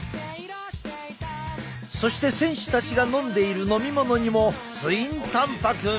そして選手たちが飲んでいる飲み物にもツインたんぱく！